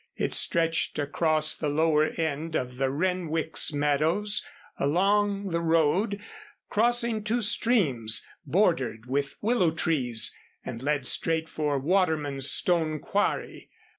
It stretched across the lower end of the Renwick's meadows along the road, crossing two streams, bordered with willow trees and led straight for Waterman's stone quarry.